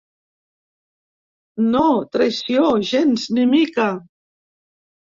No, traïció, gens ni mica.